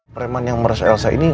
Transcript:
preman yang merasa elsa ini